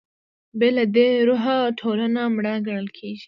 بې له دې روحه ټولنه مړه ګڼل کېږي.